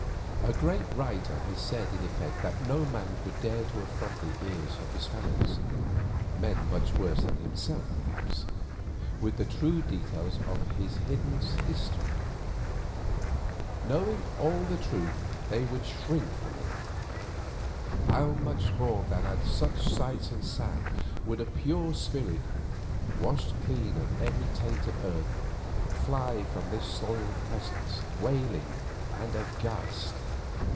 A great writer has said in effect that no man would dare to affront the ears of his fellows—men much worse than himself perhaps—with the true details of his hidden history. Knowing all the truth, they would shrink from him. How much more then at such sights and sounds would a pure spirit, washed clean of every taint of earth, fly from his soiled presence, wailing and aghast?